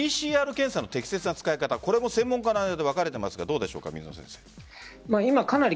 ＰＣＲ検査の適切な使い方専門家の間で分かれていますがどうでしょうか？